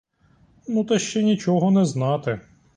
Ну, та ще нічого не знати.